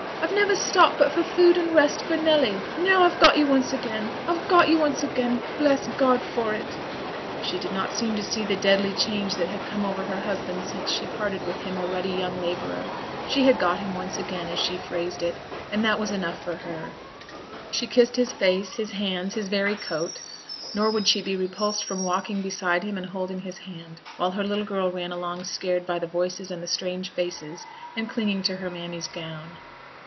I've never stopped but for food and rest for Nelly, and now I've got you once again, I've got you once again, bless God for it!' She did not seem to see the deadly change that had come over her husband since she parted with him a ruddy young labourer; she had got him once again, as she phrased it, and that was enough for her; she kissed his face, his hands, his very coat, nor would she be repulsed from walking beside him and holding his hand, while her little girl ran along scared by the voices and the strange faces, and clinging to her mammy's gown.